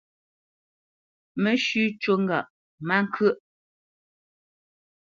Mə́shʉ̄ cû ŋgâʼ má ŋkyə́ʼ.